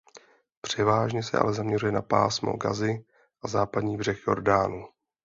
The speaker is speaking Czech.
Převážně se ale zaměřuje na Pásmo Gazy a Západní břeh Jordánu.